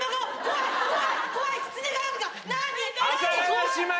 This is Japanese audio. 怖い！